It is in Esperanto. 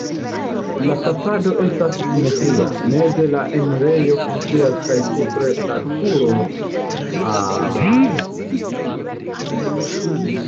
La fasado estas simetria, meze la enirejo funkcias kaj supre la turo altiĝas.